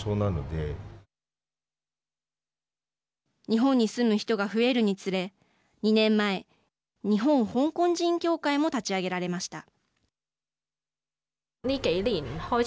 日本に住む人が増えるにつれ２年前、日本香港人協会も立ち上げられました。